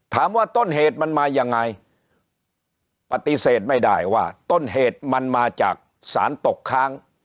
ต้นเหตุมันมายังไงปฏิเสธไม่ได้ว่าต้นเหตุมันมาจากสารตกค้าง